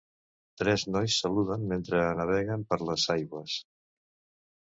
Tres nois saluden mentre naveguen per les aigües.